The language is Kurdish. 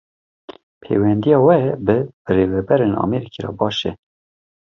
Pêwendiya we bi birêvebirên Amerîkî re baş e